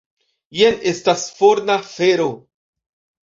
Jen estas forna fero!